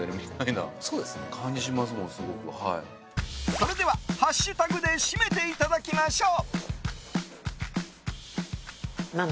それではハッシュタグで締めていただきましょう。